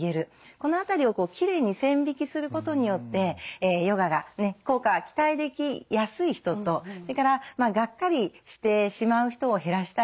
この辺りをきれいに線引きすることによってヨガがね効果が期待できやすい人とそれからがっかりしてしまう人を減らしたい。